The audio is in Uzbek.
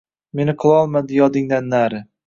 Meni qilolmadi yodingdan nari.